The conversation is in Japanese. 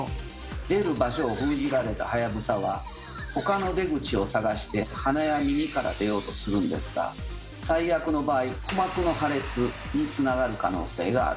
出る場所を封じられた「はやぶさ」は他の出口を探して鼻や耳から出ようとするんですが最悪の場合鼓膜の破裂につながる可能性があるんです。